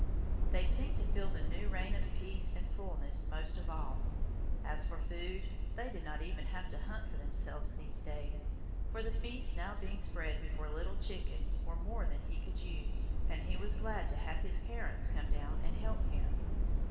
They seemed to feel the new reign of peace and fullness most of all. As for food, they did not even have to hunt for themselves these days, for the feasts now being spread before Little Chicken were more than he could use, and he was glad to have his parents come down and help him.